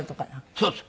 そうです。